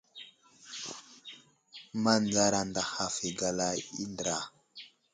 Manzar anday haf i gala i andra.